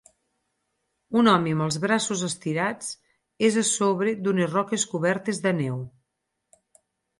Un home amb els braços estirats és a sobre d'unes roques cobertes de neu.